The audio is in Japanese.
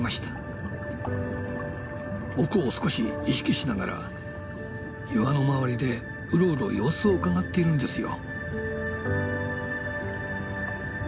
僕を少し意識しながら岩の周りでうろうろ様子をうかがっているんですよ。